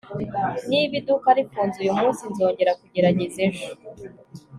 niba iduka rifunze uyumunsi, nzongera kugerageza ejo